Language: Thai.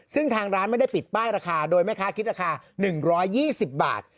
ซึ่งทางร้านไม่ได้ปิดป้ายราคาโดยแม่ค้าคิดราคา๑๒๐บาท